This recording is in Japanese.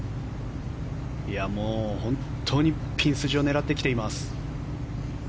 本当にピン筋を狙ってきています。